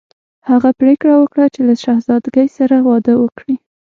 هغه پریکړه وکړه چې له شهزادګۍ سره واده وکړي.